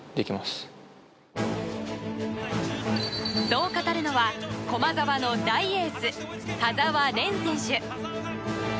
そう語るのは駒澤の大エース、田澤廉選手。